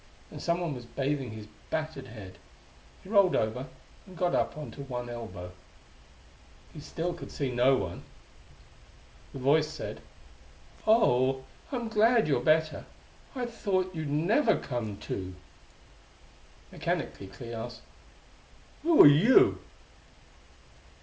And someone was bathing his battered head.... He rolled over and got up on one elbow. He still could see no one. The Voice said: "Oh, I'm so glad you're better! I thought you'd never come to!" Mechanically Clee asked: "Who are you?"